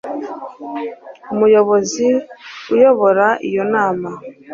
umuyobozi uyobora iyo nama